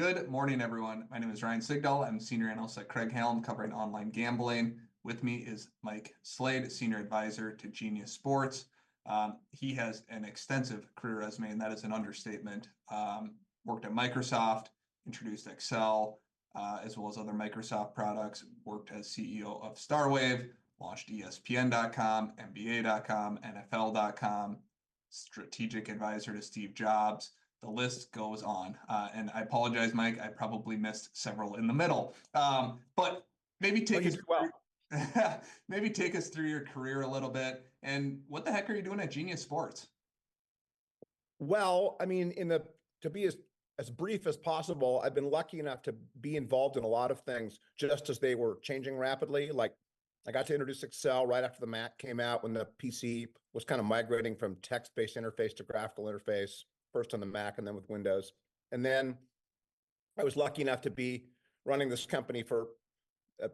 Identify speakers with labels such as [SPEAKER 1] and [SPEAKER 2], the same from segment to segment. [SPEAKER 1] Good morning, everyone. My name is Ryan Sigdahl. I'm a senior analyst at Craig-Hallum covering online gambling. With me is Mike Slade, a senior advisor to Genius Sports. He has an extensive career resume, and that is an understatement. Worked at Microsoft, introduced Excel, as well as other Microsoft products, worked as CEO of Starwave, launched ESPN.com, NBA.com, NFL.com, strategic advisor to Steve Jobs. The list goes on, and I apologize, Mike, I probably missed several in the middle, but maybe take us through.
[SPEAKER 2] Please do.
[SPEAKER 1] Maybe take us through your career a little bit. And what the heck are you doing at Genius Sports?
[SPEAKER 2] I mean, in the, to be as brief as possible, I've been lucky enough to be involved in a lot of things just as they were changing rapidly. Like, I got to introduce Excel right after the Mac came out when the PC was kind of migrating from text-based interface to graphical interface, first on the Mac and then with Windows. And then I was lucky enough to be running this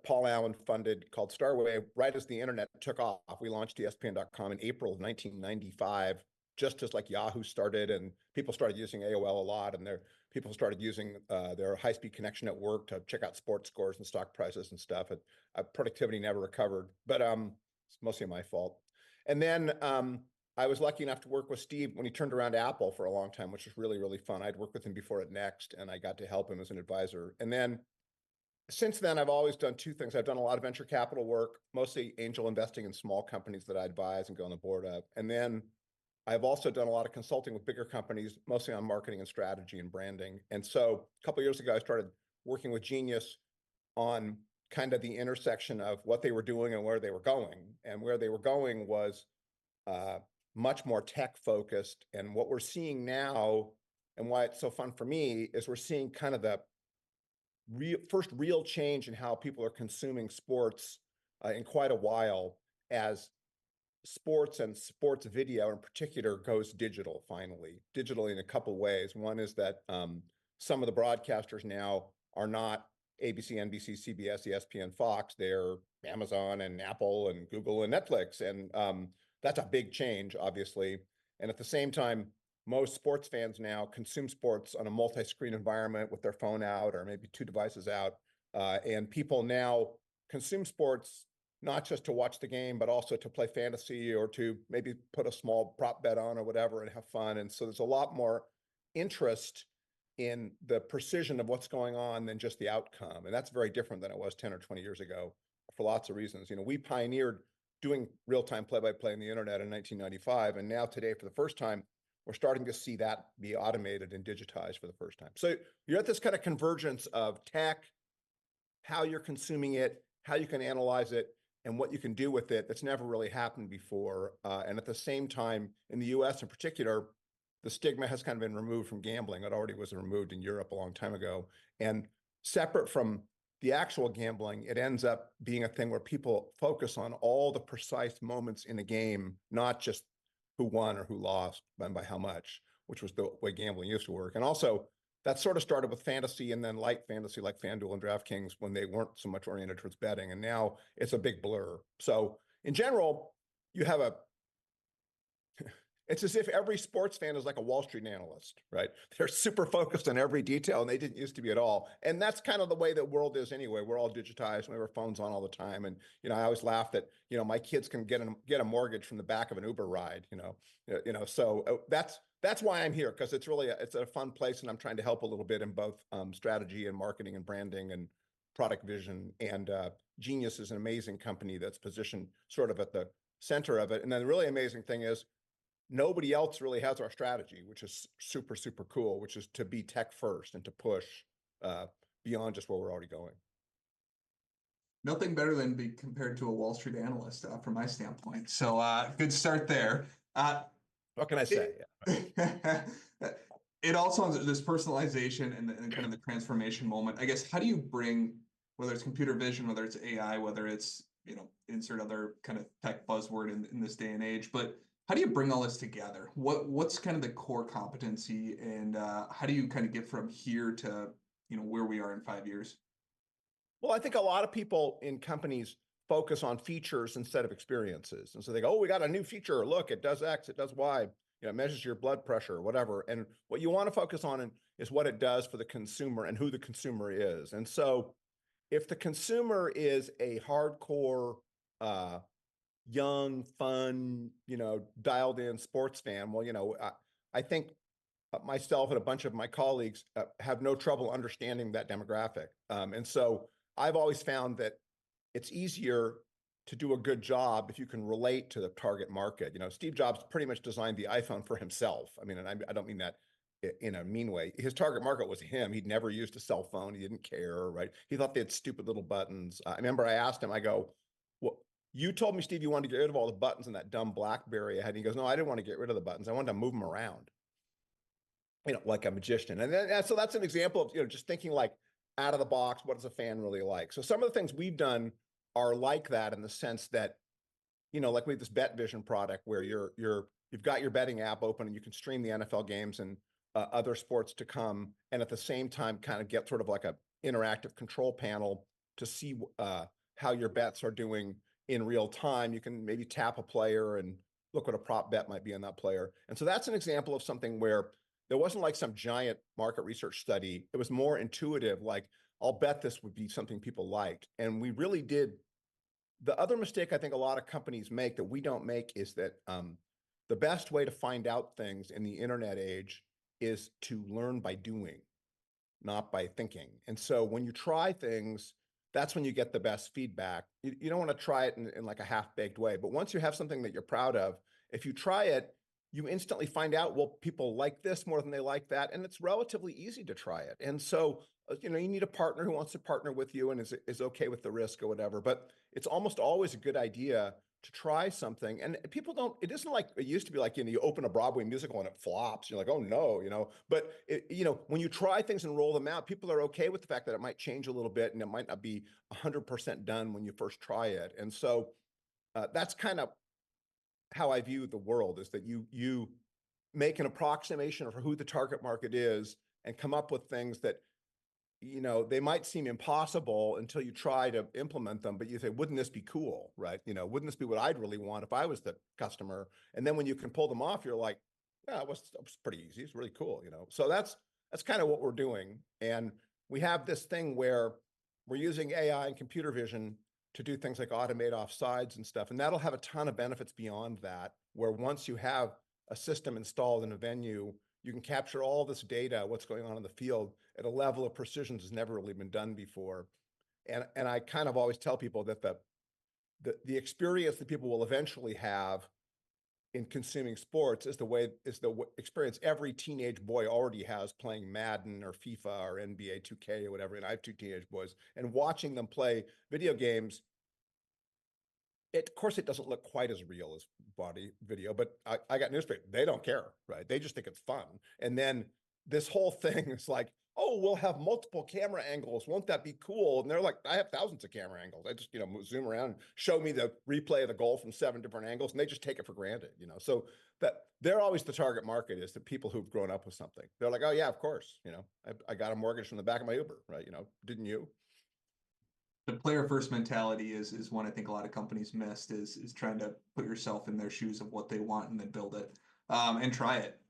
[SPEAKER 2] Paul Allen-funded company called Starwave. Right as the internet took off, we launched ESPN.com in April of 1995, just as, like, Yahoo started and people started using AOL a lot, and people started using their high-speed connection at work to check out sports scores and stock prices and stuff. Productivity never recovered. It's mostly my fault. Then, I was lucky enough to work with Steve when he returned to Apple for a long time, which was really, really fun. I'd worked with him before at NeXT, and I got to help him as an advisor. And then since then, I've always done two things. I've done a lot of venture capital work, mostly angel investing in small companies that I'd advise and go on the board of. And then I've also done a lot of consulting with bigger companies, mostly on marketing and strategy and branding. And so, a couple of years ago, I started working with Genius on kind of the intersection of what they were doing and where they were going. And where they were going was, much more tech-focused. What we're seeing now, and why it's so fun for me, is we're seeing kind of the real first real change in how people are consuming sports, in quite a while as sports and sports video in particular goes digital, finally. Digital in a couple of ways. One is that, some of the broadcasters now are not ABC, NBC, CBS, ESPN, Fox. They're Amazon and Apple and Google and Netflix. And, that's a big change, obviously. And at the same time, most sports fans now consume sports on a multi-screen environment with their phone out or maybe two devices out. And people now consume sports not just to watch the game, but also to play fantasy or to maybe put a small prop bet on or whatever and have fun. And so there's a lot more interest in the precision of what's going on than just the outcome. And that's very different than it was 10 or 20 years ago for lots of reasons. You know, we pioneered doing real-time play-by-play on the internet in 1995. And now today, for the first time, we're starting to see that be automated and digitized for the first time. So you're at this kind of convergence of tech, how you're consuming it, how you can analyze it, and what you can do with it that's never really happened before. And at the same time, in the U.S. in particular, the stigma has kind of been removed from gambling. It already was removed in Europe a long time ago. And separate from the actual gambling, it ends up being a thing where people focus on all the precise moments in a game, not just who won or who lost and by how much, which was the way gambling used to work. And also, that sort of started with fantasy and then light fantasy like FanDuel and DraftKings when they weren't so much oriented towards betting. And now it's a big blur. So in general, you have a, it's as if every sports fan is like a Wall Street analyst, right? They're super focused on every detail, and they didn't used to be at all. And that's kind of the way the world is anyway. We're all digitized. We have our phones on all the time. And, you know, I always laugh that, you know, my kids can get a mortgage from the back of an Uber ride, you know? You know, so that's why I'm here, because it's really a, it's a fun place, and I'm trying to help a little bit in both, strategy and marketing and branding and product vision. And Genius is an amazing company that's positioned sort of at the center of it. And then the really amazing thing is nobody else really has our strategy, which is super, super cool, which is to be tech-first and to push, beyond just where we're already going.
[SPEAKER 1] Nothing better than being compared to a Wall Street analyst, from my standpoint. So, good start there.
[SPEAKER 2] What can I say?
[SPEAKER 1] It also has this personalization and kind of the transformation moment. I guess, how do you bring, whether it's computer vision, whether it's AI, whether it's, you know, insert other kind of tech buzzword in this day and age, but how do you bring all this together? What's kind of the core competency, and how do you kind of get from here to, you know, where we are in five years?
[SPEAKER 2] I think a lot of people in companies focus on features instead of experiences. They go, "Oh, we got a new feature. Look, it does X, it does Y, you know, it measures your blood pressure," or whatever. What you want to focus on is what it does for the consumer and who the consumer is. If the consumer is a hardcore, young, fun, you know, dialed-in sports fan, well, you know, I think myself and a bunch of my colleagues have no trouble understanding that demographic. I've always found that it's easier to do a good job if you can relate to the target market. You know, Steve Jobs pretty much designed the iPhone for himself. I mean, and I don't mean that in a mean way. His target market was him. He'd never used a cell phone. He didn't care, right? He thought they had stupid little buttons. I remember I asked him, I go, "Well, you told me, Steve, you wanted to get rid of all the buttons in that dumb BlackBerry ahead." He goes, "No, I didn't want to get rid of the buttons. I wanted to move them around, you know, like a magician." And so that's an example of, you know, just thinking like out of the box, what does a fan really like? So some of the things we've done are like that in the sense that, you know, like we have this BetVision product where you're—you've got your betting app open, and you can stream the NFL games and other sports to come, and at the same time kind of get sort of like an interactive control panel to see how your bets are doing in real time. You can maybe tap a player and look what a prop bet might be on that player, and so that's an example of something where there wasn't like some giant market research study. It was more intuitive, like, "I'll bet this would be something people liked," and we really did. The other mistake I think a lot of companies make that we don't make is that the best way to find out things in the internet age is to learn by doing, not by thinking, and so when you try things, that's when you get the best feedback. You don't want to try it in, like, a half-baked way, but once you have something that you're proud of, if you try it, you instantly find out, well, people like this more than they like that, and it's relatively easy to try it. And so, you know, you need a partner who wants to partner with you and is okay with the risk or whatever. But it's almost always a good idea to try something. And people don't—it isn't like it used to be like, you know, you open a Broadway musical and it flops. You're like, "Oh, no," you know? But, you know, when you try things and roll them out, people are okay with the fact that it might change a little bit, and it might not be 100% done when you first try it. And so, that's kind of how I view the world, is that you—you make an approximation of who the target market is and come up with things that, you know, they might seem impossible until you try to implement them. But you say, "Wouldn't this be cool," right? You know, "Wouldn't this be what I'd really want if I was the customer?" And then when you can pull them off, you're like, "Yeah, it was pretty easy. It's really cool," you know? So that's kind of what we're doing. And we have this thing where we're using AI and computer vision to do things like automate offsides and stuff. And that'll have a ton of benefits beyond that, where once you have a system installed in a venue, you can capture all this data, what's going on in the field at a level of precision that's never really been done before. And I kind of always tell people that the experience that people will eventually have in consuming sports is the experience every teenage boy already has playing Madden or FIFA or NBA 2K or whatever. And I have two teenage boys. And watching them play video games, of course, it doesn't look quite as real as live video, but I got news for you. They don't care, right? They just think it's fun. And then this whole thing is like, "Oh, we'll have multiple camera angles. Won't that be cool?" And they're like, "I have thousands of camera angles. I just, you know, zoom around and show me the replay of the goal from seven different angles." And they just take it for granted, you know? So that they're always the target market is the people who've grown up with something. They're like, "Oh, yeah, of course, you know, I got a mortgage from the back of my Uber," right? You know, didn't you?
[SPEAKER 1] The player-first mentality is one I think a lot of companies missed, is trying to put yourself in their shoes of what they want and then build it and try it.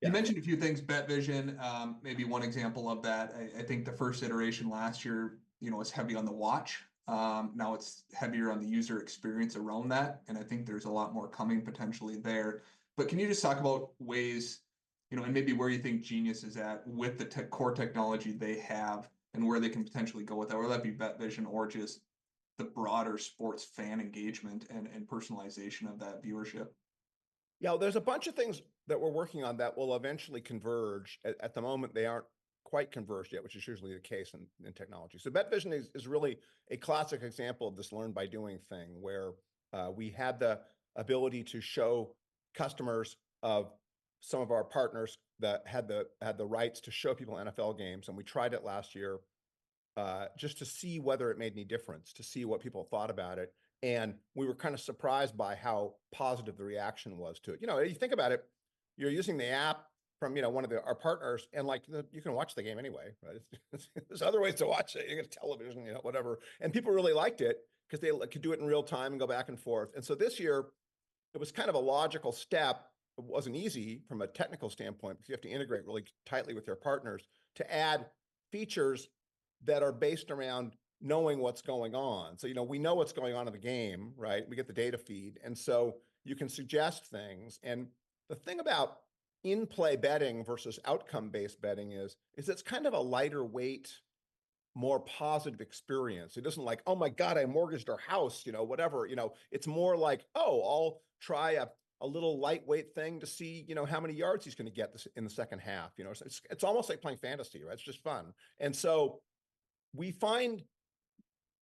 [SPEAKER 1] You mentioned a few things, BetVision, maybe one example of that. I think the first iteration last year, you know, was heavy on the watch. Now it's heavier on the user experience around that. And I think there's a lot more coming potentially there. But can you just talk about ways, you know, and maybe where you think Genius is at with the core technology they have and where they can potentially go with that? Whether that be BetVision or just the broader sports fan engagement and personalization of that viewership?
[SPEAKER 2] Yeah, there's a bunch of things that we're working on that will eventually converge. At the moment, they aren't quite converged yet, which is usually the case in technology. So BetVision is really a classic example of this learn-by-doing thing where we had the ability to show customers of some of our partners that had the rights to show people NFL games. And we tried it last year just to see whether it made any difference, to see what people thought about it. And we were kind of surprised by how positive the reaction was to it. You know, you think about it, you're using the app from, you know, one of our partners, and, like, you can watch the game anyway, right? There's other ways to watch it. You get a television, you know, whatever. And people really liked it because they could do it in real time and go back and forth. And so this year, it was kind of a logical step. It wasn't easy from a technical standpoint because you have to integrate really tightly with your partners to add features that are based around knowing what's going on. So, you know, we know what's going on in the game, right? We get the data feed. And so you can suggest things. And the thing about in-play betting versus outcome-based betting is it's kind of a lighter weight, more positive experience. It isn't like, "Oh, my God, I mortgaged our house," you know, whatever. You know, it's more like, "Oh, I'll try a little lightweight thing to see, you know, how many yards he's going to get in the second half," you know? It's almost like playing fantasy, right? It's just fun. And so we find,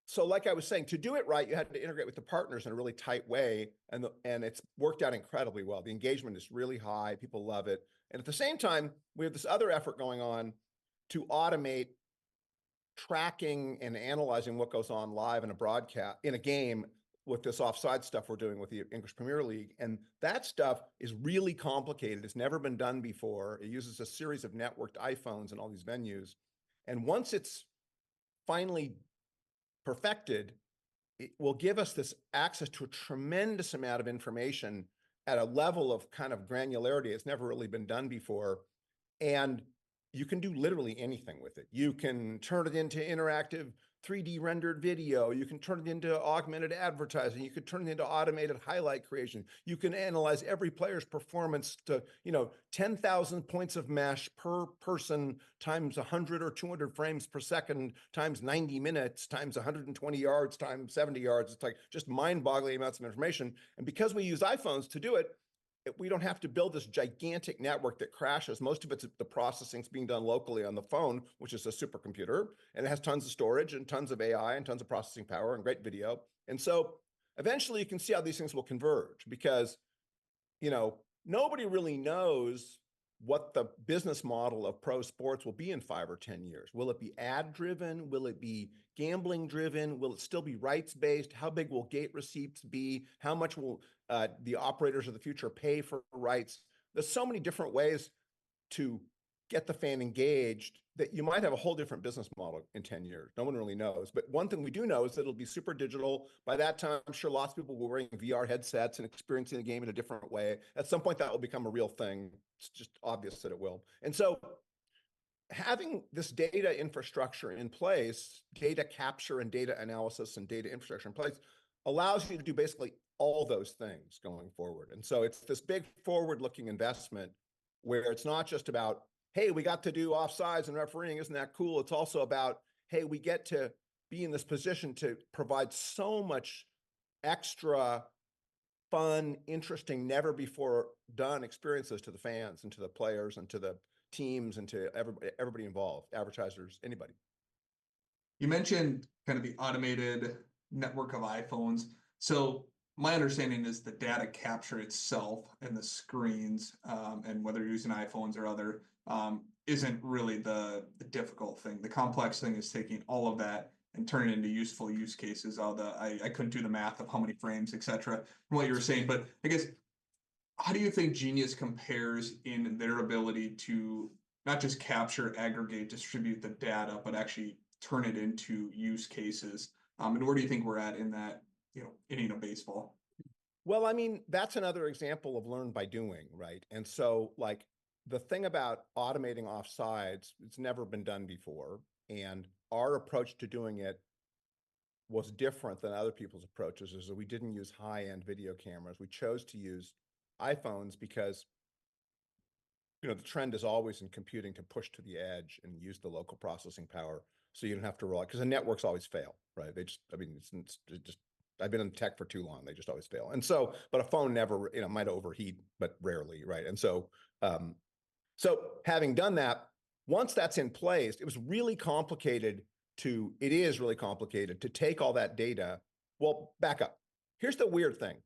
[SPEAKER 2] so like I was saying, to do it right, you had to integrate with the partners in a really tight way. And it's worked out incredibly well. The engagement is really high. People love it. And at the same time, we have this other effort going on to automate tracking and analyzing what goes on live in a broadcast in a game with this offside stuff we're doing with the English Premier League. And that stuff is really complicated. It's never been done before. It uses a series of networked iPhones in all these venues. And once it's finally perfected, it will give us this access to a tremendous amount of information at a level of kind of granularity that's never really been done before. And you can do literally anything with it. You can turn it into interactive 3D rendered video. You can turn it into augmented advertising. You can turn it into automated highlight creation. You can analyze every player's performance to, you know, 10,000 points of mesh per person times 100 or 200 frames per second times 90 minutes times 120 yards times 70 yards. It's like just mind-boggling amounts of information. And because we use iPhones to do it, we don't have to build this gigantic network that crashes. Most of it's the processing that's being done locally on the phone, which is a supercomputer. And it has tons of storage and tons of AI and tons of processing power and great video. And so eventually, you can see how these things will converge because, you know, nobody really knows what the business model of pro sports will be in five or ten years. Will it be ad-driven? Will it be gambling-driven? Will it still be rights-based? How big will gate receipts be? How much will the operators of the future pay for rights? There's so many different ways to get the fan engaged that you might have a whole different business model in ten years. No one really knows. But one thing we do know is that it'll be super digital. By that time, I'm sure lots of people will be wearing VR headsets and experiencing the game in a different way. At some point, that will become a real thing. It's just obvious that it will. And so having this data infrastructure in place, data capture and data analysis and data infrastructure in place allows you to do basically all those things going forward. And so it's this big forward-looking investment where it's not just about, "Hey, we got to do offsides and refereeing. Isn't that cool?" It's also about, "Hey, we get to be in this position to provide so much extra fun, interesting, never-before-done experiences to the fans and to the players and to the teams and to everybody involved, advertisers, anybody.
[SPEAKER 1] You mentioned kind of the automated network of iPhones, so my understanding is the data capture itself and the screens and whether you're using iPhones or other isn't really the difficult thing. The complex thing is taking all of that and turning it into useful use cases, although I couldn't do the math of how many frames, et cetera, from what you were saying, but I guess, how do you think Genius compares in their ability to not just capture, aggregate, distribute the data, but actually turn it into use cases, and where do you think we're at in that, you know, in baseball?
[SPEAKER 2] I mean, that's another example of learn-by-doing, right? Like, the thing about automating offsides, it's never been done before. Our approach to doing it was different than other people's approaches is that we didn't use high-end video cameras. We chose to use iPhones because, you know, the trend is always in computing to push to the edge and use the local processing power so you don't have to rely because the networks always fail, right? They just, I mean, it's just, I've been in tech for too long. They just always fail. A phone never, you know, might overheat, but rarely, right? Having done that, once that's in place, it was really complicated to, it is really complicated to take all that data. Back up. Here's the weird thing.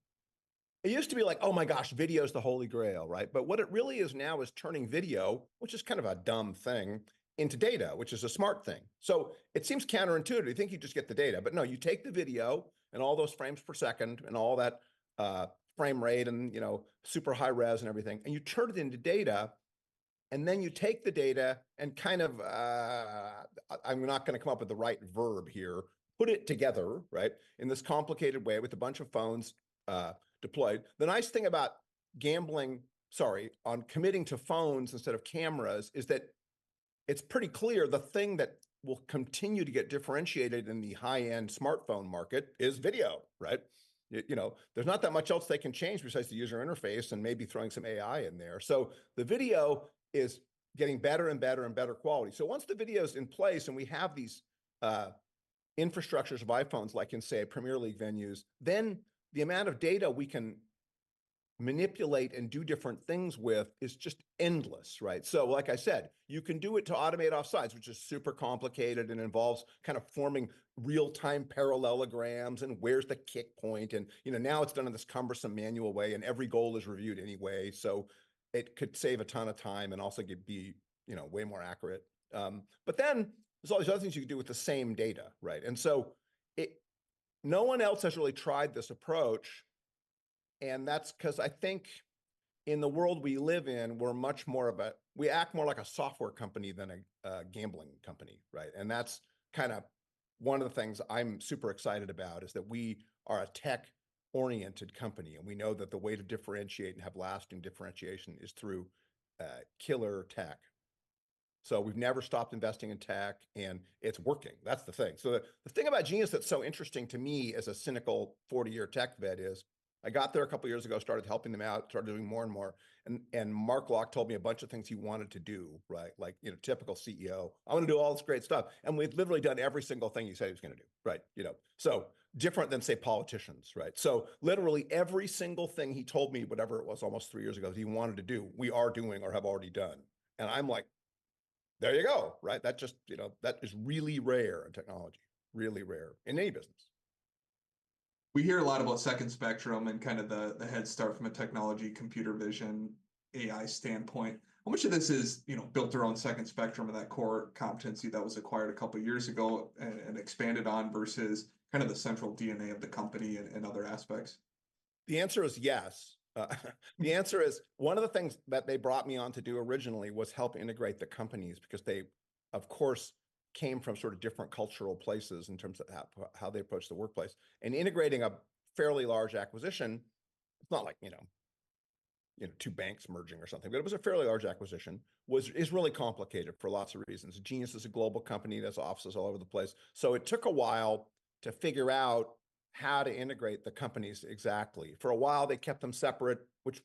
[SPEAKER 2] It used to be like, "Oh my gosh, video is the holy grail," right? But what it really is now is turning video, which is kind of a dumb thing, into data, which is a smart thing. So it seems counterintuitive. You think you just get the data, but no, you take the video and all those frames per second and all that frame rate and, you know, super high res and everything, and you turn it into data. And then you take the data and kind of, I'm not going to come up with the right verb here, put it together, right, in this complicated way with a bunch of phones deployed. The nice thing about gambling, sorry, on committing to phones instead of cameras is that it's pretty clear the thing that will continue to get differentiated in the high-end smartphone market is video, right? You know, there's not that much else they can change besides the user interface and maybe throwing some AI in there. So the video is getting better and better and better quality. So once the video is in place and we have these infrastructures of iPhones, like in, say, Premier League venues, then the amount of data we can manipulate and do different things with is just endless, right? So like I said, you can do it to automate offsides, which is super complicated and involves kind of forming real-time parallelograms and where's the kick point. And, you know, now it's done in this cumbersome manual way and every goal is reviewed anyway. So it could save a ton of time and also could be, you know, way more accurate. But then there's all these other things you could do with the same data, right? And so no one else has really tried this approach. And that's because I think in the world we live in, we're much more of a, we act more like a software company than a gambling company, right? And that's kind of one of the things I'm super excited about is that we are a tech-oriented company. And we know that the way to differentiate and have lasting differentiation is through killer tech. So we've never stopped investing in tech, and it's working. That's the thing. So the thing about Genius that's so interesting to me as a cynical 40-year tech vet is I got there a couple of years ago, started helping them out, started doing more and more. And Mark Locke told me a bunch of things he wanted to do, right? Like, you know, typical CEO, "I want to do all this great stuff." And we've literally done every single thing he said he was going to do, right? You know, so different than, say, politicians, right? So literally every single thing he told me, whatever it was almost three years ago, that he wanted to do, we are doing or have already done. And I'm like, "There you go," right? That just, you know, that is really rare in technology, really rare in any business.
[SPEAKER 1] We hear a lot about Second Spectrum and kind of the head start from a technology, computer vision, AI standpoint. How much of this is, you know, built around Second Spectrum and that core competency that was acquired a couple of years ago and expanded on versus kind of the central DNA of the company and other aspects?
[SPEAKER 2] The answer is yes. One of the things that they brought me on to do originally was help integrate the companies because they, of course, came from sort of different cultural places in terms of how they approach the workplace. Integrating a fairly large acquisition, it's not like, you know, two banks merging or something, but it was a fairly large acquisition is really complicated for lots of reasons. Genius is a global company that has offices all over the place. So it took a while to figure out how to integrate the companies exactly. For a while, they kept them separate, which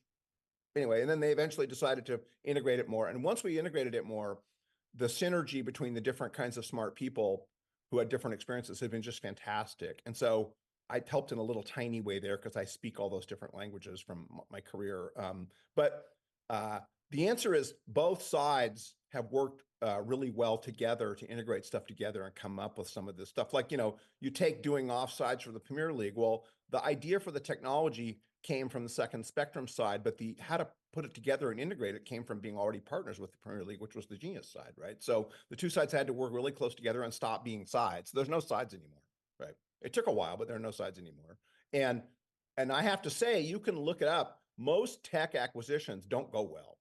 [SPEAKER 2] anyway, and then they eventually decided to integrate it more. Once we integrated it more, the synergy between the different kinds of smart people who had different experiences had been just fantastic. And so I helped in a little tiny way there because I speak all those different languages from my career. But the answer is both sides have worked really well together to integrate stuff together and come up with some of this stuff. Like, you know, you take doing offsides for the Premier League. Well, the idea for the technology came from the Second Spectrum side, but the how to put it together and integrate it came from being already partners with the Premier League, which was the Genius side, right? So the two sides had to work really close together and stop being sides. There's no sides anymore, right? It took a while, but there are no sides anymore. And I have to say, you can look it up. Most tech acquisitions don't go well.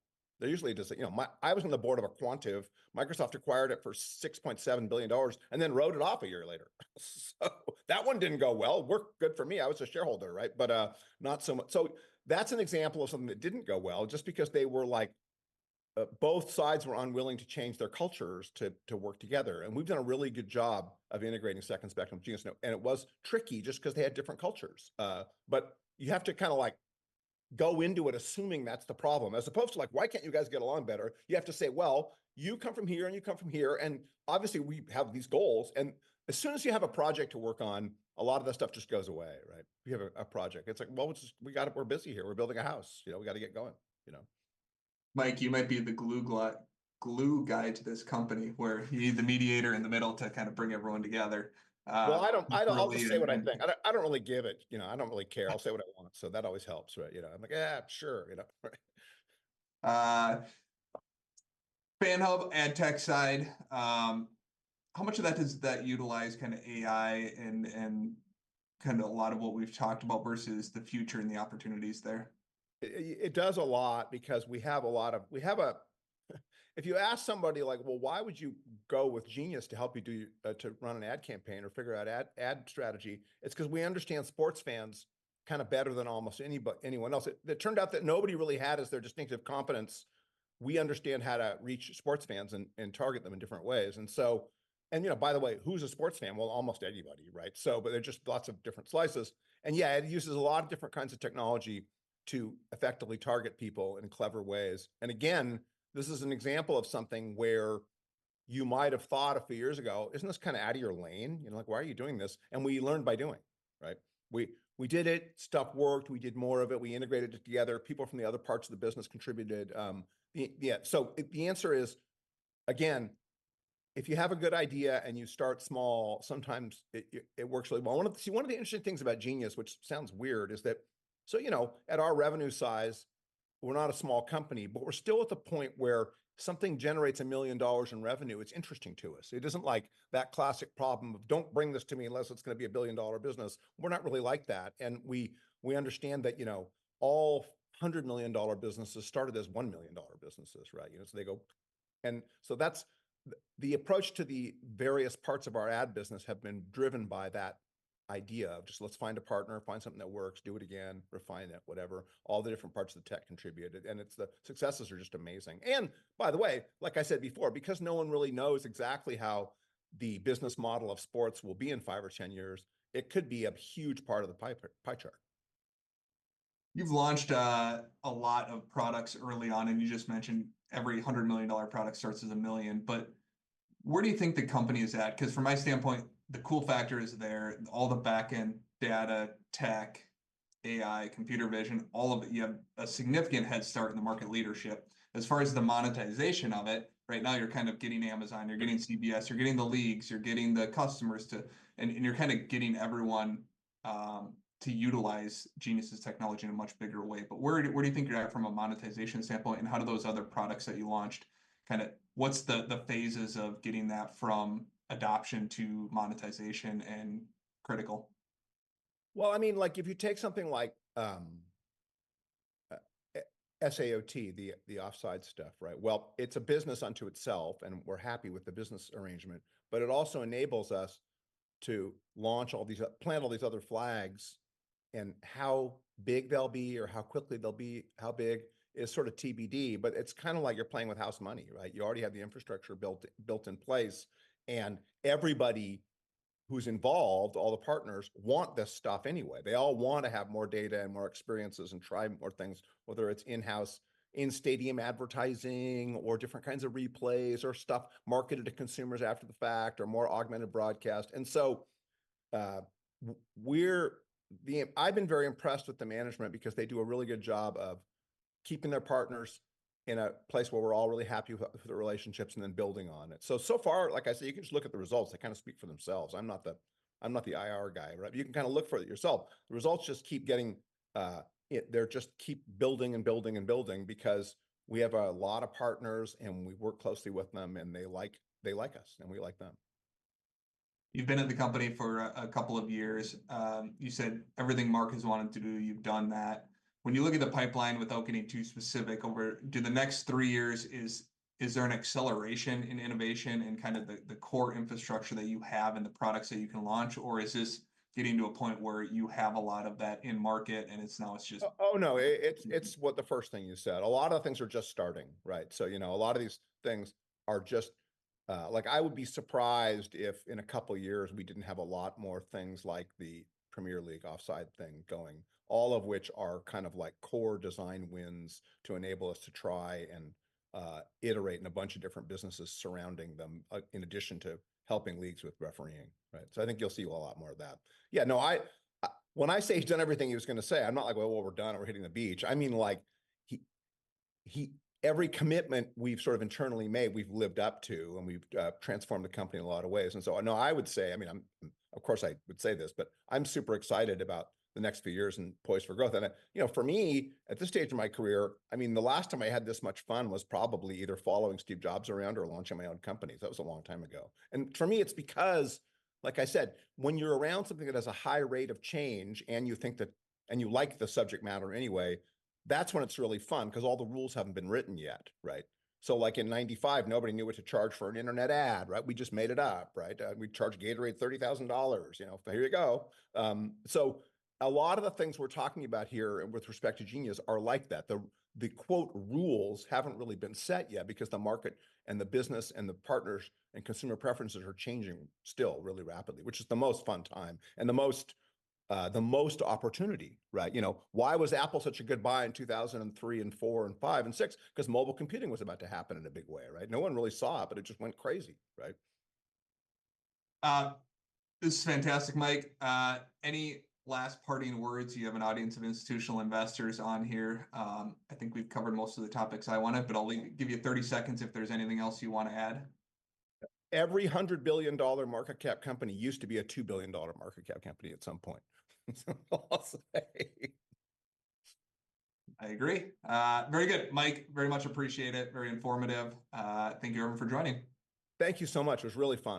[SPEAKER 2] They're usually just, you know, I was on the board of aQuantive. Microsoft acquired it for $6.7 billion and then wrote it off a year later. So that one didn't go well. Worked good for me. I was a shareholder, right? But not so much. So that's an example of something that didn't go well just because they were like, both sides were unwilling to change their cultures to work together. And we've done a really good job of integrating Second Spectrum with Genius. And it was tricky just because they had different cultures. But you have to kind of like go into it assuming that's the problem. As opposed to like, "Why can't you guys get along better?" You have to say, "Well, you come from here and you come from here." And obviously we have these goals. And as soon as you have a project to work on, a lot of the stuff just goes away, right? You have a project. It's like, "Well, we got it. We're busy here. We're building a house. You know, we got to get going," you know?
[SPEAKER 1] Mike, you might be the glue guy to this company where you need the mediator in the middle to kind of bring everyone together.
[SPEAKER 2] Well, I don't always say what I think. I don't really give it, you know? I don't really care. I'll say what I want. So that always helps, right? You know, I'm like, "Yeah, sure," you know?
[SPEAKER 1] FanHub, ad tech side, how much of that does that utilize kind of AI and kind of a lot of what we've talked about versus the future and the opportunities there?
[SPEAKER 2] It does a lot because if you ask somebody like, "Well, why would you go with Genius to help you run an ad campaign or figure out ad strategy?" It's because we understand sports fans kind of better than almost anyone else. It turned out that nobody really had as their distinctive competence. We understand how to reach sports fans and target them in different ways. And so you know, by the way, who's a sports fan? Well, almost anybody, right? So, but there's just lots of different slices. Yeah, it uses a lot of different kinds of technology to effectively target people in clever ways. And again, this is an example of something where you might have thought a few years ago, "Isn't this kind of out of your lane?" You know, like, "Why are you doing this?" And we learned by doing, right? We did it. Stuff worked. We did more of it. We integrated it together. People from the other parts of the business contributed. Yeah. So the answer is, again, if you have a good idea and you start small, sometimes it works really well. One of the interesting things about Genius, which sounds weird, is that, so you know, at our revenue size, we're not a small company, but we're still at the point where something generates $1 million in revenue. It's interesting to us. It isn't like that classic problem of, "Don't bring this to me unless it's going to be a $1 billion business." We're not really like that. We understand that, you know, all $100 million-dollar businesses started as $1 million-dollar businesses, right? You know, so they go. So that's the approach to the various parts of our ad business have been driven by that idea of just, "Let's find a partner, find something that works, do it again, refine it, whatever." All the different parts of the tech contributed. And the successes are just amazing. And by the way, like I said before, because no one really knows exactly how the business model of sports will be in five or 10 years, it could be a huge part of the pie chart.
[SPEAKER 1] You've launched a lot of products early on, and you just mentioned every hundred-million-dollar product starts as a million. But where do you think the company is at? Because from my standpoint, the cool factor is there. All the backend data, tech, AI, computer vision, all of it. You have a significant head start in the market leadership. As far as the monetization of it, right now you're kind of getting Amazon, you're getting CBS, you're getting the leagues, you're getting the customers to, and you're kind of getting everyone to utilize Genius's technology in a much bigger way. But where do you think you're at from a monetization standpoint? And how do those other products that you launched kind of, what's the phases of getting that from adoption to monetization and critical?
[SPEAKER 2] Well, I mean, like if you take something like SAOT, the offside stuff, right? Well, it's a business unto itself, and we're happy with the business arrangement, but it also enables us to launch all these, plant all these other flags and how big they'll be or how quickly they'll be, how big is sort of TBD, but it's kind of like you're playing with house money, right? You already have the infrastructure built in place, and everybody who's involved, all the partners want this stuff anyway. They all want to have more data and more experiences and try more things, whether it's in-house, in-stadium advertising or different kinds of replays or stuff marketed to consumers after the fact or more augmented broadcast. And so, I've been very impressed with the management because they do a really good job of keeping their partners in a place where we're all really happy with the relationships and then building on it. So, so far, like I said, you can just look at the results. They kind of speak for themselves. I'm not the IR guy, right? You can kind of look for it yourself. The results just keep getting, they're just keep building and building and building because we have a lot of partners and we work closely with them and they like us and we like them.
[SPEAKER 1] You've been at the company for a couple of years. You said everything Mark has wanted to do, you've done that. When you look at the pipeline without getting too specific over the next three years, is there an acceleration in innovation and kind of the core infrastructure that you have and the products that you can launch, or is this getting to a point where you have a lot of that in market and it's now just?
[SPEAKER 2] Oh, no, it's what the first thing you said. A lot of things are just starting, right? So, you know, a lot of these things are just, like I would be surprised if in a couple of years we didn't have a lot more things like the Premier League offside thing going, all of which are kind of like core design wins to enable us to try and iterate in a bunch of different businesses surrounding them in addition to helping leagues with refereeing, right? So I think you'll see a lot more of that. Yeah, no, when I say he's done everything he was going to say, I'm not like, well, we're done, we're hitting the beach. I mean, like every commitment we've sort of internally made, we've lived up to and we've transformed the company in a lot of ways. No, I would say, I mean, of course I would say this, but I'm super excited about the next few years and poised for growth. And you know, for me, at this stage of my career, I mean, the last time I had this much fun was probably either following Steve Jobs around or launching my own company. That was a long time ago. And for me, it's because, like I said, when you're around something that has a high rate of change and you think that, and you like the subject matter anyway, that's when it's really fun because all the rules haven't been written yet, right? So like in 1995, nobody knew what to charge for an internet ad, right? We just made it up, right? We charge Gatorade $30,000, you know, here you go. So a lot of the things we're talking about here with respect to Genius are like that. The quote rules haven't really been set yet because the market and the business and the partners and consumer preferences are changing still really rapidly, which is the most fun time and the most opportunity, right? You know, why was Apple such a good buy in 2003 and four and five and six? Because mobile computing was about to happen in a big way, right? No one really saw it, but it just went crazy, right?
[SPEAKER 1] This is fantastic, Mike. Any last parting words? You have an audience of institutional investors on here. I think we've covered most of the topics I wanted, but I'll give you 30 seconds if there's anything else you want to add.
[SPEAKER 2] Every $100 billion market cap company used to be a $2 billion market cap company at some point.
[SPEAKER 1] I agree. Very good. Mike, very much appreciate it. Very informative. Thank you, everyone, for joining.
[SPEAKER 2] Thank you so much. It was really fun.